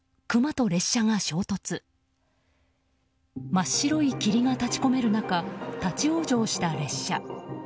真っ白い霧が立ち込める中立ち往生した列車。